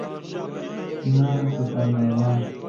نه سفرنامه.